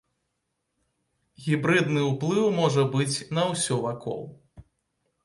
Гібрыдны ўплыў можа быць на ўсё вакол.